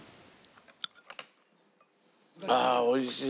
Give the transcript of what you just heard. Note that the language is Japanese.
ああおいしい！